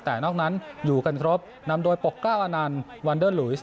แต่นอกนั้นอยู่กันครบนำโดยปกกล้าอนันต์วันเดอร์ลุยส